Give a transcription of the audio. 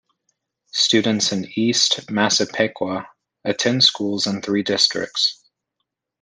Students in East Massapequa attend schools in three districts.